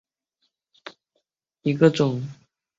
曲茎马蓝为爵床科马蓝属下的一个种。